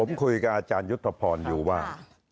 ผมคุยกับอาจารยุทธพรอยู่ว่า